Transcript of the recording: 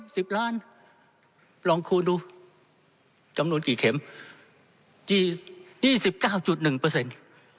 สิบล้านลองคูณดูจำนวนกี่เข็มกี่ยี่สิบเก้าจุดหนึ่งเปอร์เซ็นต์